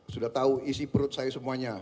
sudah tahu isi perut saya semuanya